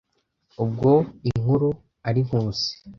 Ubwo inkuru ari inkusi